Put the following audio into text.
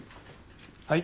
はい。